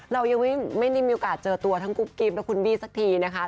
เรายังไม่ได้มีโอกาสเจอตัวทั้งกุ๊บกิ๊บและคุณบี้สักทีนะคะ